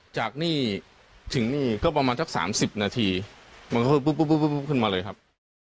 จากนี่ถึงนี่ก็ประมาณจากสามสิบนาทีมันก็ปุ๊บปุ๊บปุ๊บขึ้นมาเลยครับ